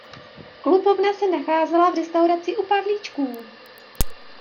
Klubovna se nacházela v restauraci U Pavlíčků.